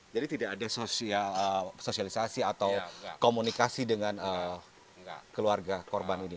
jadi tidak ada sosialisasi atau komunikasi dengan keluarga korban ini